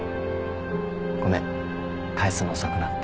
ごめん返すの遅くなって。